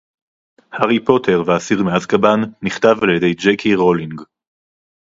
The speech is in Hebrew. הארי פוטר והאסיר מאזקבאן נכתב על ידי ג'יי קיי רולינג